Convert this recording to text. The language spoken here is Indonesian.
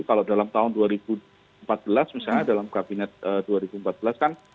kalau dalam tahun dua ribu empat belas misalnya dalam kabinet dua ribu empat belas kan